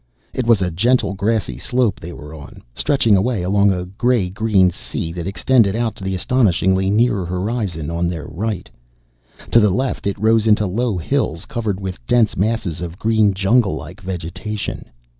It was a gentle, grassy slope they were on, stretching away along a gray green sea that extended out to the astoundingly near horizon on their right. To the left it rose into low hills covered with dense masses of green junglelike vegetation.